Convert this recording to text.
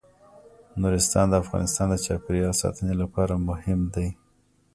نورستان د افغانستان د چاپیریال ساتنې لپاره مهم دي.